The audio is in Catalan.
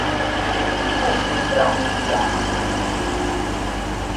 On puc comprar menjar?